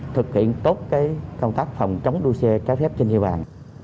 thực hiện tốt công tác phòng chống đua xe trái phép trên địa bàn